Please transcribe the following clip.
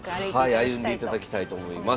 歩んでいただきたいと思います。